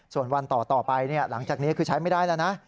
ส่วนวันต่อไปหลังจากนี้คือใช้ไม่ได้แล้วนะ